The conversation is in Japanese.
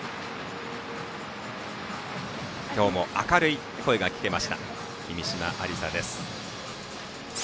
今日も明るい声が聞けました君嶋愛梨沙です。